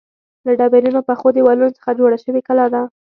له ډبرینو پخو دیوالونو څخه جوړه شوې کلا ده.